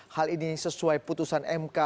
hal ini sesuai putusan mk